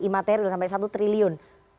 material sampai satu triliun